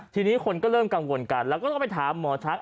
ทีนี้คนก็เริ่มกังวลกันแล้วก็ต้องไปถามหมอช้าง